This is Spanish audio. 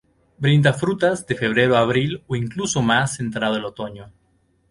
Brinda frutas de febrero a abril o incluso más entrado el otoño.